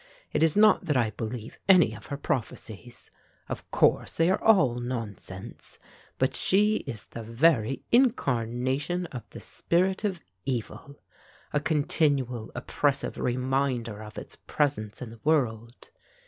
It is not that I believe any of her prophecies. Of course they are all nonsense, but she is the very incarnation of the spirit of evil, a continual oppressive reminder of its presence in the world.